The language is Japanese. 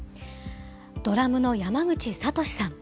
ドラムの山口智史さん。